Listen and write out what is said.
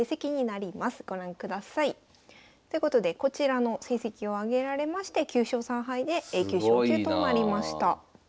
ご覧ください。ということでこちらの成績を挙げられまして９勝３敗でＡ級昇級となりました。